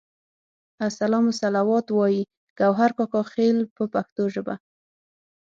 السلام والصلوات وایي ګوهر کاکا خیل په پښتو ژبه.